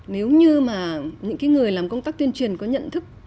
nếu như mà những người làm công tác tuyên truyền có nhận thức